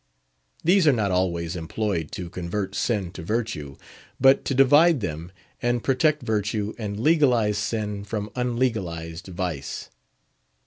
These are not always employed to convert Sin to Virtue, but to divide them, and protect Virtue and legalised Sin from unlegalised Vice.